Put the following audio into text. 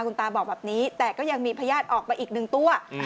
คุณตาบอกแบบนี้แต่ก็ยังมีพญาติออกมาอีกหนึ่งตัว